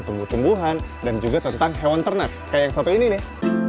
tumbuh tumbuhan dan juga tentang hewan ternak kayak yang satu ini nih